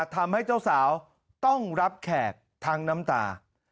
ทำให้เจ้าสาวต้องรับแขกทั้งน้ำตา